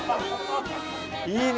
いい